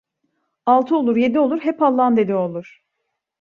Altı olur, yedi olur, hep Allah'ın dediği olur.